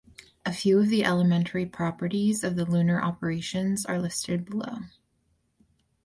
A few of the elementary properties of the lunar operations are listed below.